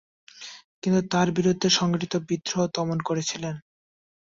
তিনি তার বিরুদ্ধে সংঘটিত বিদ্রোহ দমন করেছিলেন।